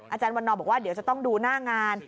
อาจารย์วันนอบอกว่าเดี๋ยวจะต้องดูหน้างาน